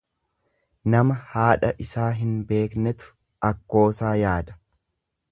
Nama haadha isaa hin beeknetu akkoosaa yaada.